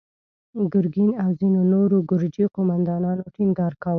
ګرګين او ځينو نورو ګرجي قوماندانانو ټينګار کاوه.